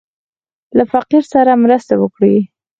له فقير سره مرسته وکړه.